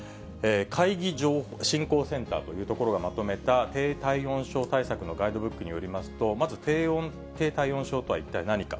海技振興センターというところがまとめた低体温症対策のガイドブックによりますと、まず低体温症とは一体何か。